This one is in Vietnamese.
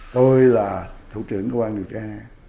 tôi là thủ trưởng cơ quan điều tra